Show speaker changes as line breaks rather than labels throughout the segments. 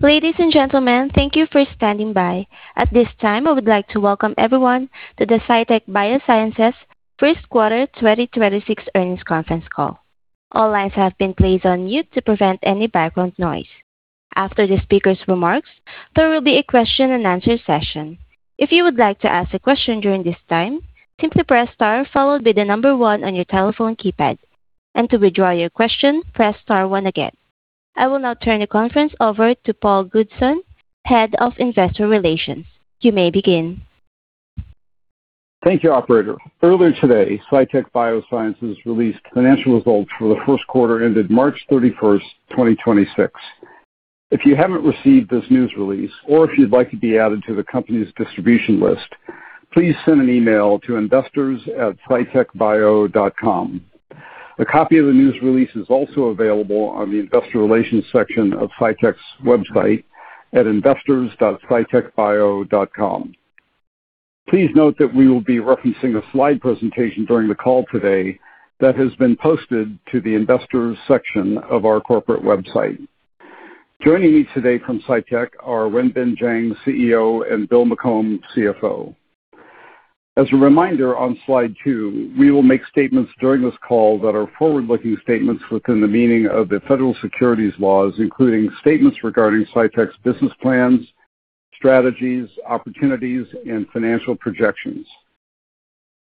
Ladies and gentlemen, thank you for standing by. At this time, I would like to welcome everyone to the Cytek Biosciences first quarter 2026 earnings conference call. All lines have been placed on mute to prevent any background noise. After the speaker's remarks, there will be a question and answer session. If you would like to ask a question during this time, simply press Star followed by the number one on your telephone keypad. To withdraw your question, press Star one again. I will now turn the conference over to Paul Goodson, Head of Investor Relations. You may begin.
Thank you, operator. Earlier today, Cytek Biosciences released financial results for the first quarter ended March 31st, 2026. If you haven't received this news release or if you'd like to be added to the company's distribution list, please send an email to investors@cytekbio.com. A copy of the news release is also available on the investor relations section of Cytek's website at investors.cytekbio.com. Please note that we will be referencing a slide presentation during the call today that has been posted to the investors section of our corporate website. Joining me today from Cytek are Wenbin Jiang, CEO, and Bill McCombe, CFO. As a reminder, on slide two, we will make statements during this call that are forward-looking statements within the meaning of the Federal Securities laws, including statements regarding Cytek's business plans, strategies, opportunities, and financial projections.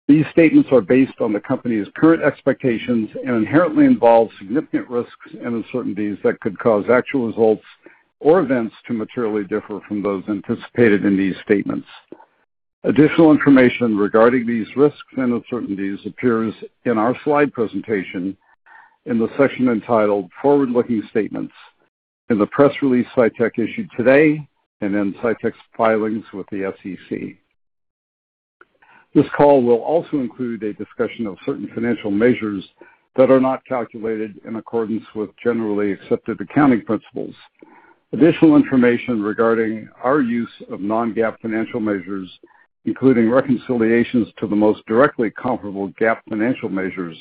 These statements are based on the company's current expectations and inherently involve significant risks and uncertainties that could cause actual results or events to materially differ from those anticipated in these statements. Additional information regarding these risks and uncertainties appears in our slide presentation in the section entitled Forward-Looking Statements in the press release Cytek issued today and in Cytek's filings with the SEC. This call will also include a discussion of certain financial measures that are not calculated in accordance with generally accepted accounting principles. Additional information regarding our use of non-GAAP financial measures, including reconciliations to the most directly comparable GAAP financial measures,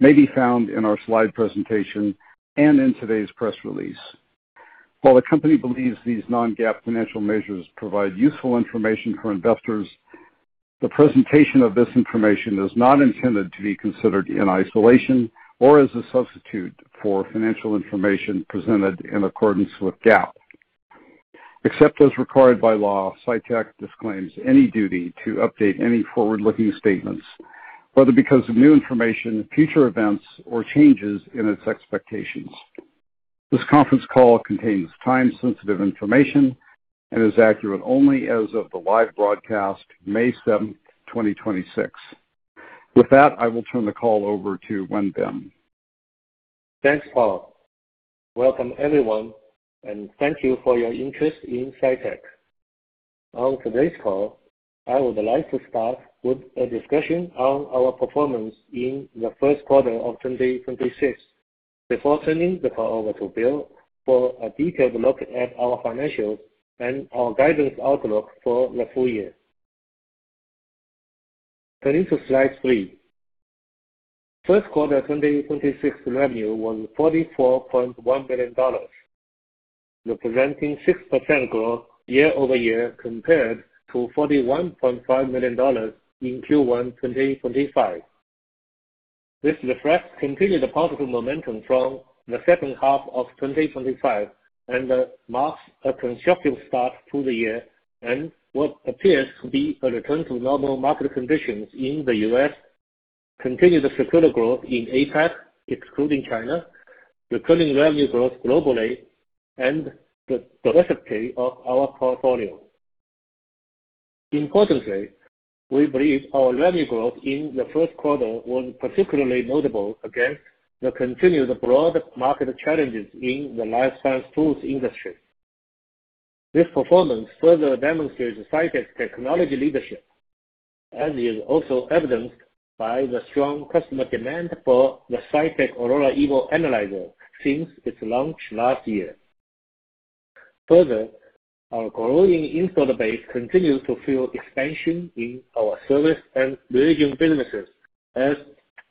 may be found in our slide presentation and in today's press release. While the company believes these non-GAAP financial measures provide useful information for investors, the presentation of this information is not intended to be considered in isolation or as a substitute for financial information presented in accordance with GAAP. Except as required by law, Cytek disclaims any duty to update any forward-looking statements, whether because of new information, future events, or changes in its expectations. This conference call contains time-sensitive information and is accurate only as of the live broadcast May 7, 2026. With that, I will turn the call over to Wenbin.
Thanks, Paul. Welcome, everyone, and thank you for your interest in Cytek. On today's call, I would like to start with a discussion on our performance in the first quarter of 2026 before turning the call over to Bill for a detailed look at our financials and our guidance outlook for the full year. Turning to slide three. First quarter 2026 revenue was $44.1 million, representing 6% growth year-over-year compared to $41.5 million in Q1 2025. This reflects continued positive momentum from the second half of 2025 and marks a constructive start to the year and what appears to be a return to normal market conditions in the U.S. Continued secular growth in APAC, excluding China, recurring revenue growth globally, and the diversity of our portfolio. Importantly, we believe our revenue growth in the first quarter was particularly notable against the continued broad market challenges in the life science tools industry. This performance further demonstrates Cytek's technology leadership, as is also evidenced by the strong customer demand for the Cytek Aurora Evo since its launch last year. Further, our growing installed base continues to fuel expansion in our service and leasing businesses, as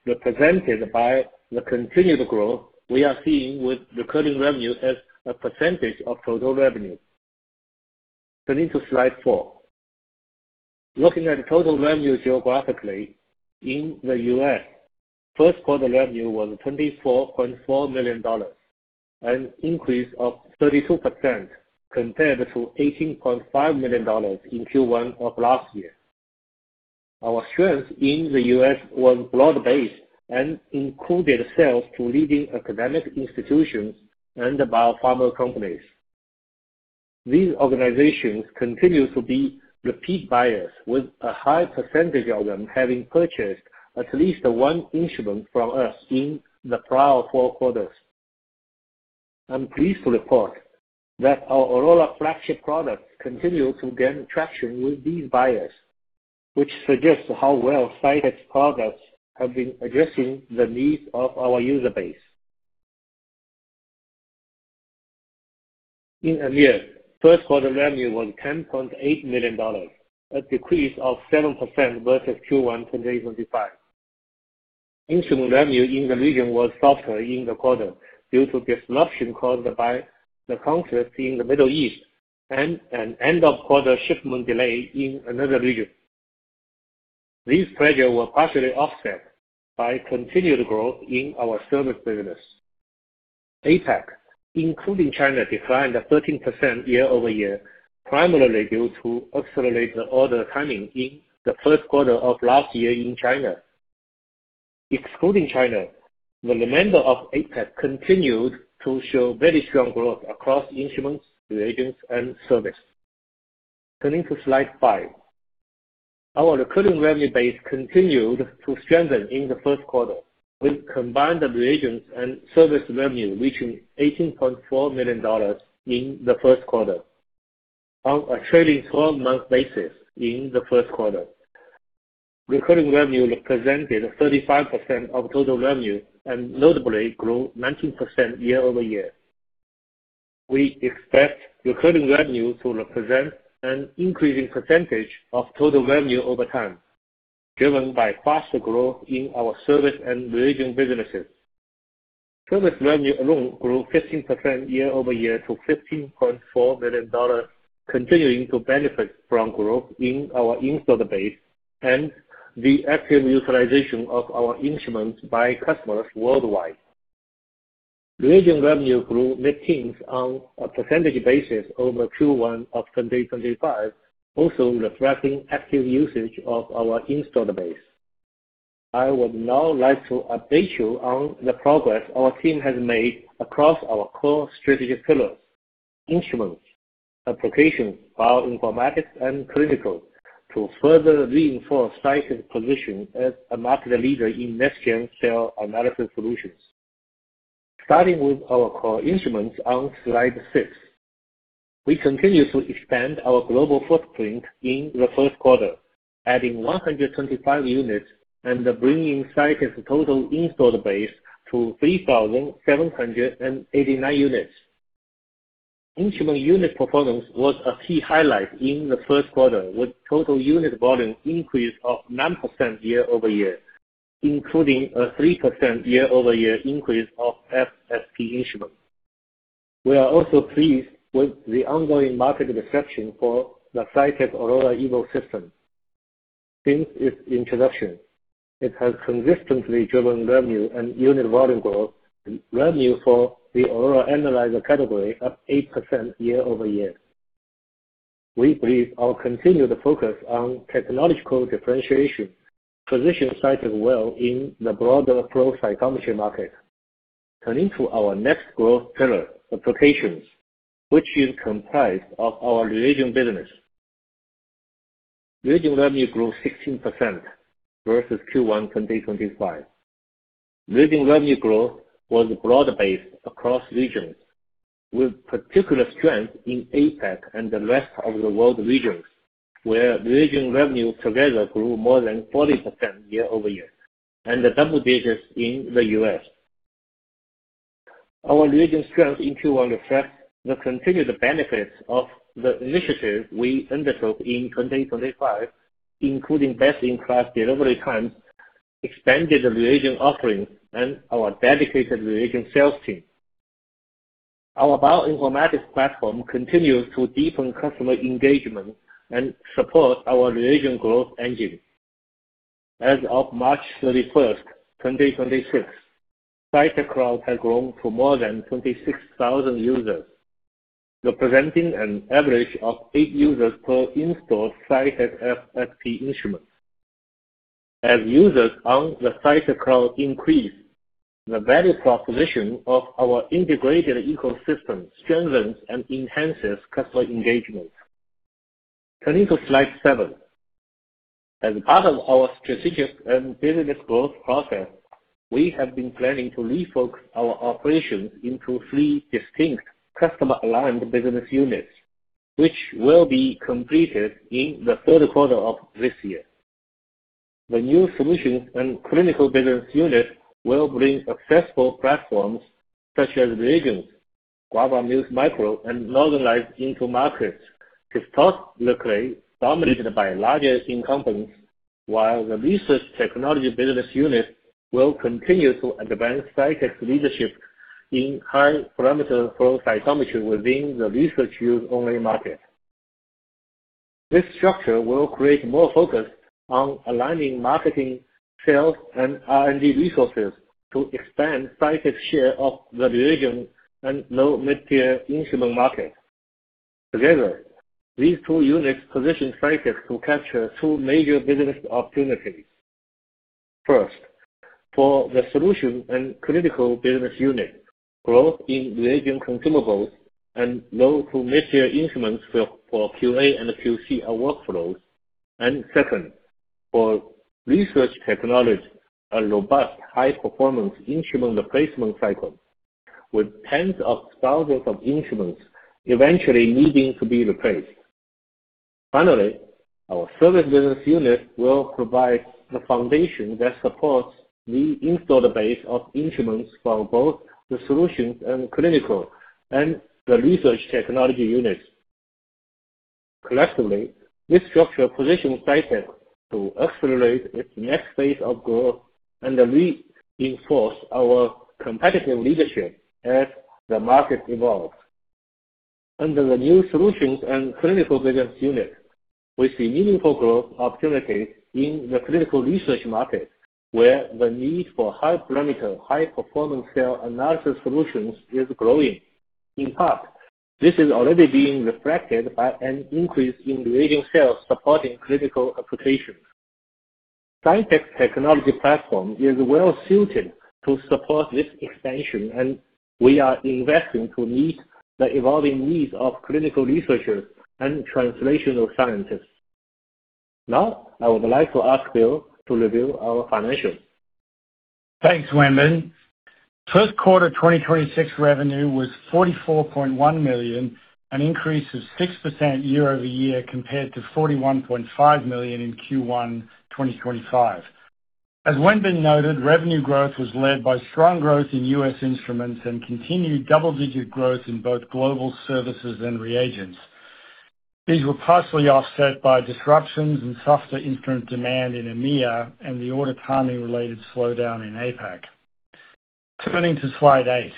represented by the continued growth we are seeing with recurring revenue as a percentage of total revenue. Turning to slide four. Looking at total revenue geographically, in the U.S., first quarter revenue was $24.4 million, an increase of 32% compared to $18.5 million in Q1 of last year. Our strength in the U.S. was broad-based and included sales to leading academic institutions and biopharma companies. These organizations continue to be repeat buyers with a high percentage of them having purchased at least one instrument from us in the prior four quarters. I'm pleased to report that our Aurora flagship product continued to gain traction with these buyers, which suggests how well Cytek's products have been addressing the needs of our user base. In EMEA, first quarter revenue was $10.8 million, a decrease of 7% versus Q1 2025. Instrument revenue in the region was softer in the quarter due to disruption caused by the conflict in the Middle East and an end of quarter shipment delay in another region. These pressures were partially offset by continued growth in our service business. APAC, including China, declined 13% year-over-year, primarily due to accelerated order timing in the first quarter of last year in China. Excluding China, the remainder of APAC continued to show very strong growth across instruments, reagents, and service. Turning to slide five. Our recurring revenue base continued to strengthen in the first quarter, with combined reagents and service revenue reaching $18.4 million in the first quarter. On a trailing 12-month basis in the first quarter, recurring revenue represented 35% of total revenue, and notably grew 19% year-over-year. We expect recurring revenue to represent an increasing percentage of total revenue over time, driven by faster growth in our service and reagent businesses. Service revenue alone grew 15% year-over-year to $15.4 million, continuing to benefit from growth in our installed base and the active utilization of our instruments by customers worldwide. Reagent revenue grew mid-teens on a percentage basis over Q1 of 2025, also reflecting active usage of our installed base. I would now like to update you on the progress our team has made across our core strategic pillars, instruments, applications, bioinformatics, and clinical, to further reinforce Cytek's position as a market leader in next-gen cell analysis solutions. Starting with our core instruments on slide six. We continued to expand our global footprint in the first quarter, adding 125 units and bringing Cytek's total installed base to 3,789 units. Instrument unit performance was a key highlight in the first quarter, with total unit volume increase of 9% year-over-year, including a 3% year-over-year increase of FSP instruments. We are also pleased with the ongoing market reception for the Cytek Aurora Evo system. Since its introduction, it has consistently driven revenue and unit volume growth, revenue for the Aurora category up 8% year-over-year. We believe our continued focus on technological differentiation positions Cytek well in the broader flow cytometry market. Turning to our next growth pillar, applications, which is comprised of our reagent business. Reagent revenue grew 16% versus Q1 2025. Reagent revenue growth was broad-based across regions, with particular strength in APAC and the rest of the world regions, where reagent revenue together grew more than 40% year-over-year and double digits in the U.S. Our reagent strength in Q1 reflects the continued benefits of the initiatives we undertook in 2025, including best-in-class delivery times, expanded reagent offerings, and our dedicated reagent sales team. Our bioinformatics platform continues to deepen customer engagement and support our reagent growth engine. As of March 31, 2026, Cytek Cloud has grown to more than 26,000 users, representing an average of eight users per installed Cytek SSP instrument. As users on the Cytek Cloud increase, the value proposition of our integrated ecosystem strengthens and enhances customer engagement. Turning to slide seven. As part of our strategic and business growth process, we have been planning to refocus our operations into three distinct customer-aligned business units, which will be completed in the third quarter of this year. The new solutions and clinical business unit will bring successful platforms such as reagents, Guava Muse Micro, and Northern Lights into markets historically dominated by larger incumbents, while the research technology business unit will continue to advance Cytek's leadership in high parameter flow cytometry within the research use only market. This structure will create more focus on aligning marketing, sales, and R&D resources to expand Cytek's share of the reagent and low mid-tier instrument market. Together, these two units position Cytek to capture two major business opportunities. First, for the solution and clinical business unit, growth in reagent consumables and low to mid-tier instruments for QA and QC workflows. Second, for research technology, a robust high-performance instrument replacement cycle, with tens of thousands of instruments eventually needing to be replaced. Finally, our service business unit will provide the foundation that supports the installed base of instruments for both the solutions and clinical and the research technology units. Collectively, this structure positions Cytek to accelerate its next phase of growth and re-enforce our competitive leadership as the market evolves. Under the new solutions and clinical business unit, we see meaningful growth opportunities in the clinical research market, where the need for high parameter, high performance cell analysis solutions is growing. In fact, this is already being reflected by an increase in reagent sales supporting clinical applications. Cytek's technology platform is well-suited to support this expansion, and we are investing to meet the evolving needs of clinical researchers and translational scientists. Now, I would like to ask Bill to review our financials.
Thanks, Wenbin. First quarter 2026 revenue was $44.1 million, an increase of 6% year-over-year compared to $41.5 million in Q1 2025. As Wenbin noted, revenue growth was led by strong growth in U.S. instruments and continued double-digit growth in both global services and reagents. These were partially offset by disruptions in softer instrument demand in EMEA and the order timing-related slowdown in APAC. Turning to slide eight.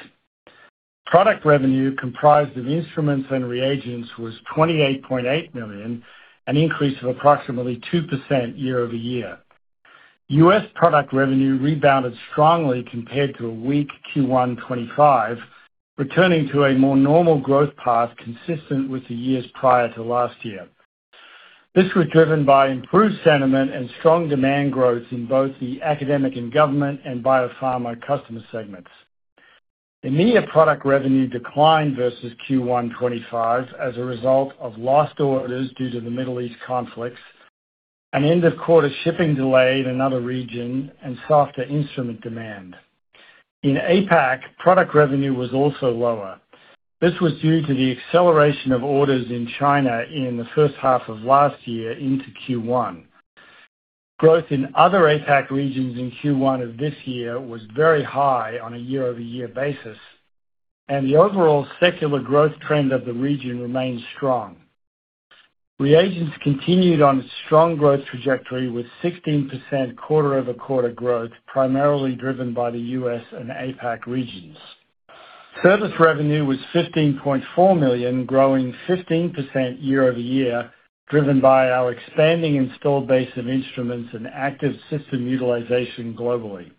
Product revenue comprised of instruments and reagents was $28.8 million, an increase of approximately 2% year-over-year. U.S. product revenue rebounded strongly compared to a weak Q1 2025, returning to a more normal growth path consistent with the years prior to last year. This was driven by improved sentiment and strong demand growth in both the academic and government and biopharma customer segments. EMEA product revenue declined versus Q1 2025 as a result of lost orders due to the Middle East conflicts, an end-of-quarter shipping delay in another region, and softer instrument demand. In APAC, product revenue was also lower. This was due to the acceleration of orders in China in the first half of last year into Q1. Growth in other APAC regions in Q1 of this year was very high on a year-over-year basis, and the overall secular growth trend of the region remains strong. Reagents continued on a strong growth trajectory with 16% quarter-over-quarter growth, primarily driven by the U.S. and APAC regions. Service revenue was $15.4 million, growing 15% year-over-year, driven by our expanding installed base of instruments and active system utilization globally.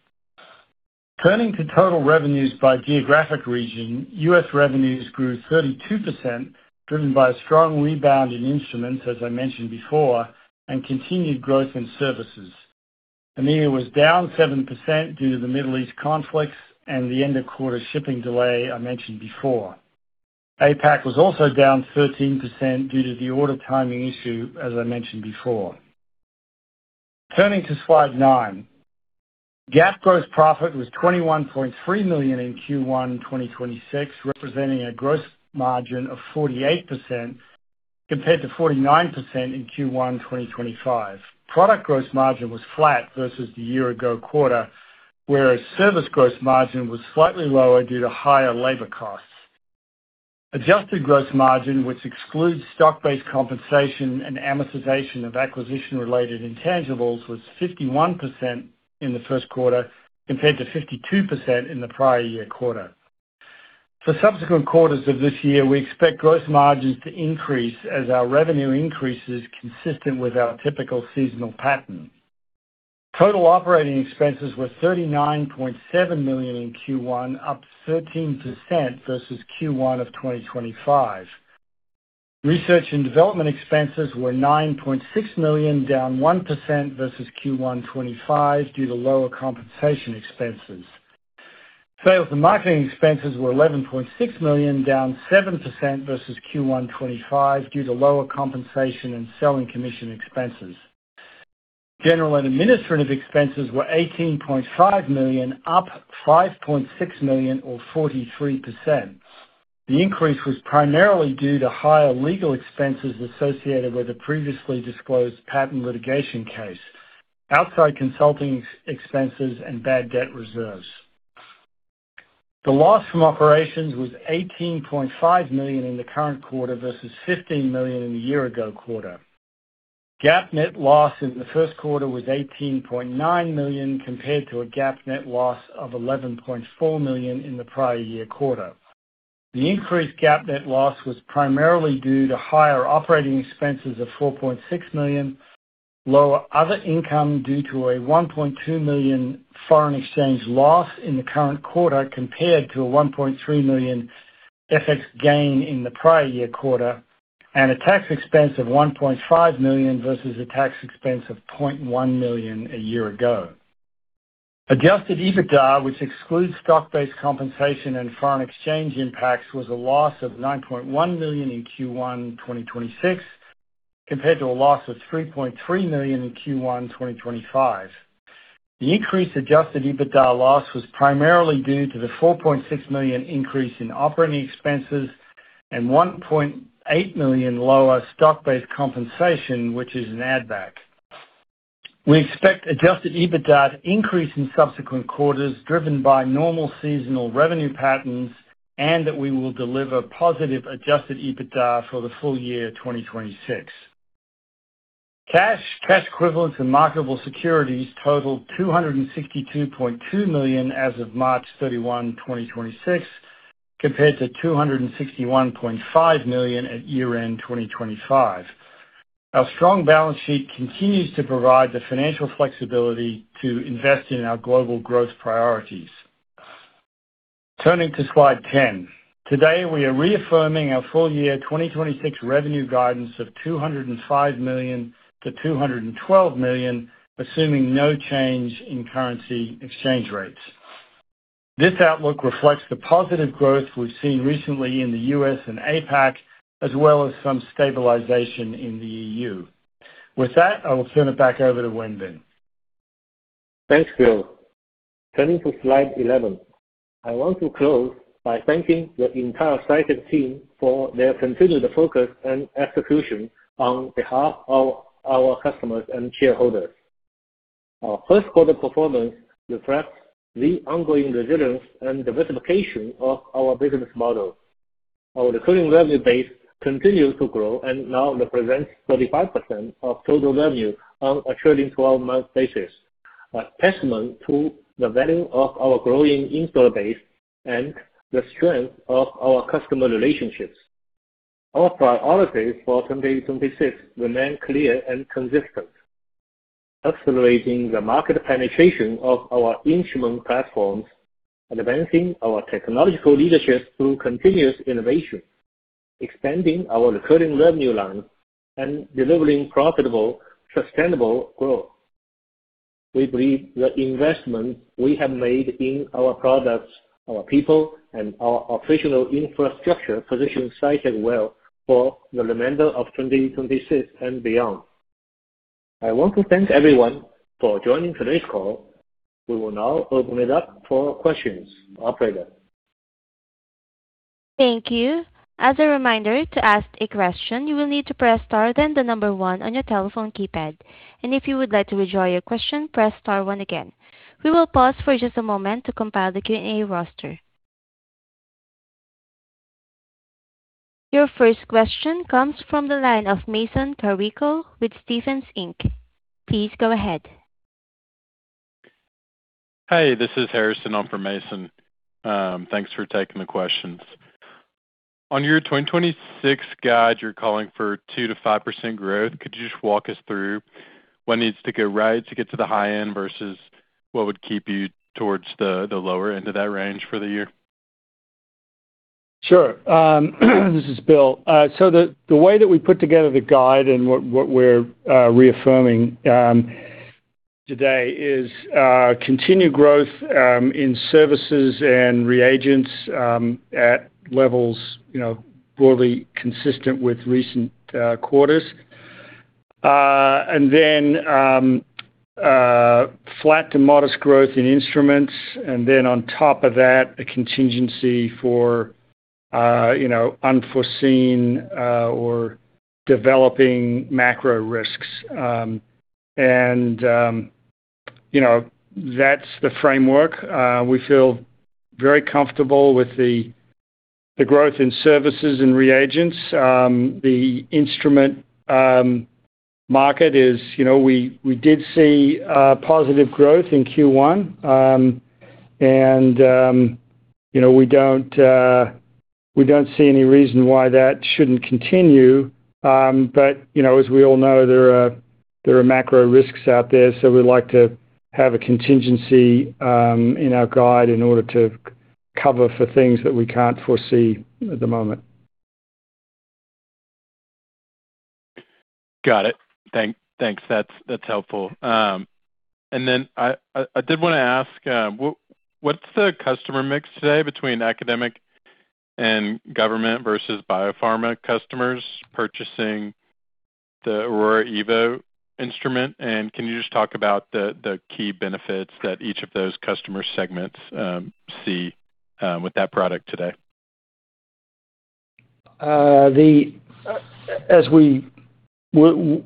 Turning to total revenues by geographic region, U.S. revenues grew 32%, driven by a strong rebound in instruments, as I mentioned before, and continued growth in services. EMEA was down 7% due to the Middle East conflicts and the end-of-quarter shipping delay I mentioned before. APAC was also down 13% due to the order timing issue, as I mentioned before. Turning to slide nine. GAAP gross profit was $21.3 million in Q1 2026, representing a gross margin of 48% compared to 49% in Q1 2025. Product gross margin was flat versus the year ago quarter, whereas service gross margin was slightly lower due to higher labor costs. Adjusted gross margin, which excludes stock-based compensation and amortization of acquisition-related intangibles, was 51% in the first quarter, compared to 52% in the prior year quarter. For subsequent quarters of this year, we expect gross margins to increase as our revenue increases consistent with our typical seasonal pattern. Total operating expenses were $39.7 million in Q1, up 13% versus Q1 of 2025. Research and development expenses were $9.6 million, down 1% versus Q1 2025 due to lower compensation expenses. Sales and marketing expenses were $11.6 million, down 7% versus Q1 2025 due to lower compensation and selling commission expenses. General and administrative expenses were $18.5 million, up $5.6 million or 43%. The increase was primarily due to higher legal expenses associated with a previously disclosed patent litigation case, outside consulting expenses, and bad debt reserves. The loss from operations was $18.5 million in the current quarter versus $15 million in the year ago quarter. GAAP net loss in the first quarter was $18.9 million compared to a GAAP net loss of $11.4 million in the prior year quarter. The increased GAAP net loss was primarily due to higher operating expenses of $4.6 million, lower other income due to a $1.2 million foreign exchange loss in the current quarter compared to a $1.3 million FX gain in the prior year quarter, and a tax expense of $1.5 million versus a tax expense of $0.1 million a year ago. Adjusted EBITDA, which excludes stock-based compensation and foreign exchange impacts, was a loss of $9.1 million in Q1 2026 compared to a loss of $3.3 million in Q1 2025. The increased adjusted EBITDA loss was primarily due to the $4.6 million increase in operating expenses and $1.8 million lower stock-based compensation, which is an add back. We expect adjusted EBITDA to increase in subsequent quarters, driven by normal seasonal revenue patterns, and that we will deliver positive adjusted EBITDA for the full year 2026. Cash, cash equivalents, and marketable securities totaled $262.2 million as of March 31, 2026, compared to $261.5 million at year-end 2025. Our strong balance sheet continues to provide the financial flexibility to invest in our global growth priorities. Turning to slide 10. Today, we are reaffirming our full year 2026 revenue guidance of $205 million-$212 million, assuming no change in currency exchange rates. This outlook reflects the positive growth we've seen recently in the U.S. and APAC, as well as some stabilization in the EU. With that, I will turn it back over to Wenbin.
Thanks, Bill. Turning to slide 11. I want to close by thanking the entire Cytek team for their continued focus and execution on behalf of our customers and shareholders. Our first quarter performance reflects the ongoing resilience and diversification of our business model. Our recurring revenue base continues to grow and now represents 35% of total revenue on a trailing 12-month basis, a testament to the value of our growing install base and the strength of our customer relationships. Our priorities for 2026 remain clear and consistent, accelerating the market penetration of our instrument platforms, advancing our technological leadership through continuous innovation, expanding our recurring revenue lines, and delivering profitable, sustainable growth. We believe the investment we have made in our products, our people, and our operational infrastructure position Cytek well for the remainder of 2026 and beyond. I want to thank everyone for joining today's call. We will now open it up for questions. Operator.
Thank you. As a reminder, to ask a question, you will need to press star, then the one on your telephone keypad. If you would like to withdraw your question, press star one again. We will pause for just a moment to compile the Q&A roster. Your first question comes from the line of Mason Carrico with Stephens Inc. Please go ahead.
This is Harrison. I'm from Mason. Thanks for taking the questions. On your 2026 guide, you're calling for 2%-5% growth. Could you just walk us through what needs to go right to get to the high end versus what would keep you towards the lower end of that range for the year?
Sure. This is Bill. The way that we put together the guide and what we're reaffirming today is continued growth in services and reagents at levels, you know, broadly consistent with recent quarters. Flat to modest growth in instruments, and then on top of that, a contingency for, you know, unforeseen or developing macro risks. You know, that's the framework. We feel very comfortable with the growth in services and reagents. The instrument market is, you know, we did see positive growth in Q1. You know, we don't see any reason why that shouldn't continue. You know, as we all know, there are macro risks out there, so we like to have a contingency in our guide in order to cover for things that we can't foresee at the moment.
Got it. Thanks. That's helpful. Then I did wanna ask what's the customer mix today between academic and government versus biopharma customers purchasing the Aurora Evo instrument? Can you just talk about the key benefits that each of those customer segments see with that product today?
As we will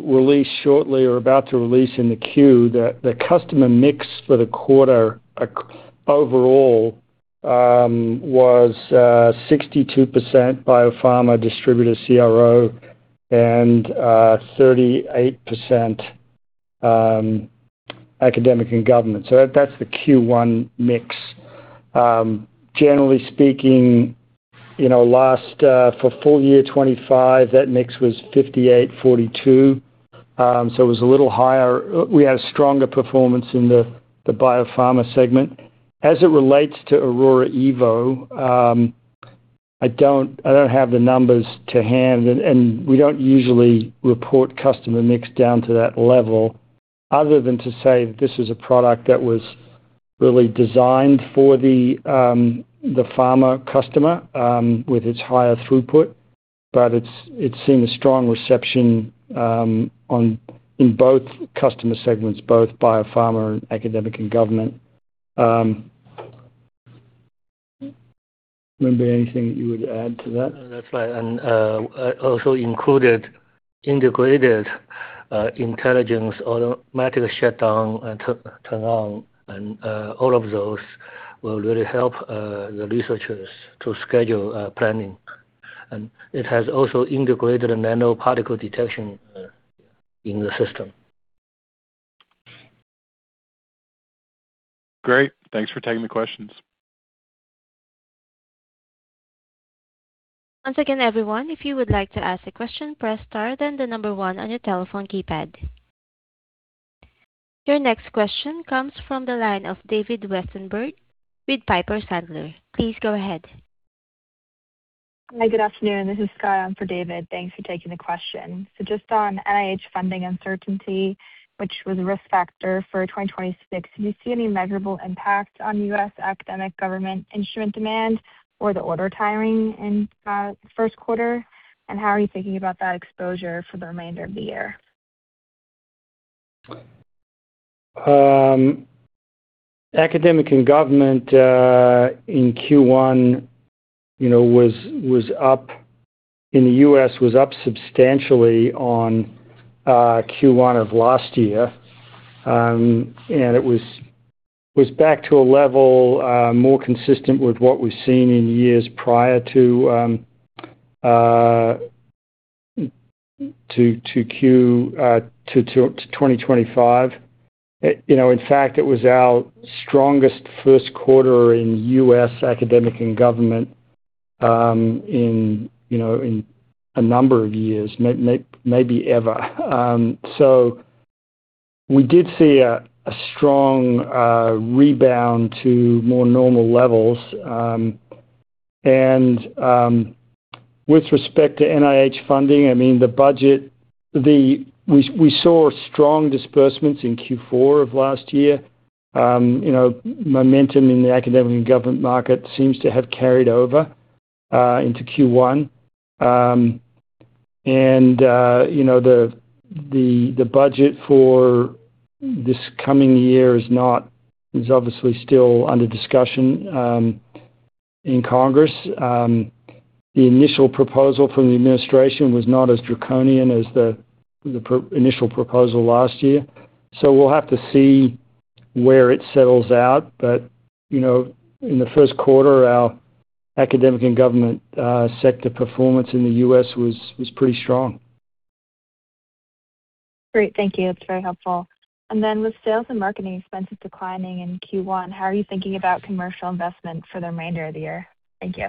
release shortly or about to release in the Q, the customer mix for the quarter overall was 62% biopharma distributor CRO and 38% academic and government. That's the Q1 mix. Generally speaking, you know, last for full year 2025, that mix was 58%-42%, it was a little higher. We had a stronger performance in the biopharma segment. As it relates to Aurora Evo, I don't have the numbers to hand, and we don't usually report customer mix down to that level other than to say this is a product that was really designed for the pharma customer with its higher throughput. It's seen a strong reception in both customer segments, both biopharma and academic and government. Maybe anything you would add to that?
That's right. Also included integrated intelligence, automatic shutdown and turn on, all of those will really help the researchers to schedule planning. It has also integrated a nanoparticle detection in the system.
Great. Thanks for taking the questions.
Once again everyone if you would like to ask a question press star and then the number one in your telephone keypad. Your next question comes from the line of David Westenberg with Piper Sandler. Please go ahead.
Hi. Good afternoon. This is Skye on for David. Thanks for taking the question. Just on NIH funding uncertainty, which was a risk factor for 2026, do you see any measurable impact on U.S. academic government instrument demand or the order timing in first quarter? How are you thinking about that exposure for the remainder of the year?
Academic and government, in Q1, you know, was up in the U.S. was up substantially on Q1 of last year. It was back to a level more consistent with what we've seen in years prior to 2025. You know, in fact, it was our strongest first quarter in U.S. academic and government, in, you know, in a number of years, maybe ever. We did see a strong rebound to more normal levels. With respect to NIH funding, I mean, the budget, We saw strong disbursements in Q4 of last year. You know, momentum in the academic and government market seems to have carried over into Q1. You know, the budget for this coming year is obviously still under discussion in Congress. The initial proposal from the administration was not as draconian as the initial proposal last year. We'll have to see where it settles out. You know, in the first quarter, our academic and government sector performance in the U.S. was pretty strong.
Great. Thank you. That's very helpful. With sales and marketing expenses declining in Q1, how are you thinking about commercial investment for the remainder of the year? Thank you.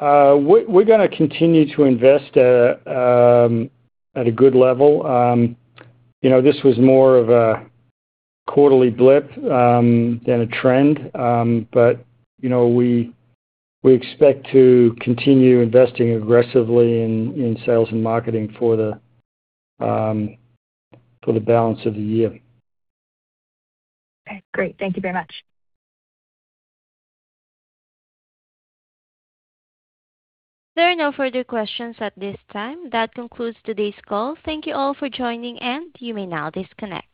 We're gonna continue to invest at a good level. You know, this was more of a quarterly blip than a trend. You know, we expect to continue investing aggressively in sales and marketing for the balance of the year.
Okay, great. Thank you very much.
There are no further questions at this time. That concludes today's call. Thank you all for joining, and you may now disconnect.